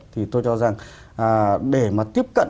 thì tôi cho rằng để mà tiếp cận